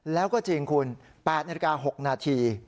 แล้วก็จริงคุณ๘นาฬิกา๖นาที